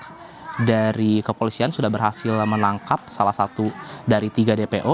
nah dari kepolisian sudah berhasil menangkap salah satu dari tiga dpo